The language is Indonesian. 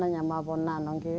saya sudah belajar di sekolah